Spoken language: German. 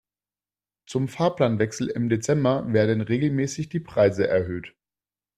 Zum Fahrplanwechsel im Dezember werden regelmäßig die Preise erhöht.